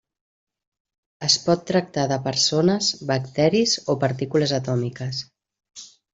Es pot tractar de persones, bacteris o partícules atòmiques.